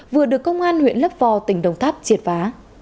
vừa được công an huyện lấp vò tỉnh đồng tháp triệt phá